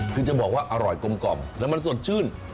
คือจะบอกว่าอร่อยกลมแล้วมันสดชื่น